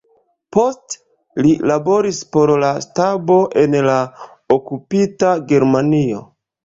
Poste li laboris por la stabo en la okupita Germanio.